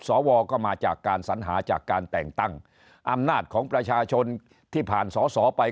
สวก็มาจากการสัญหาจากการแต่งตั้งอำนาจของประชาชนที่ผ่านสอสอไป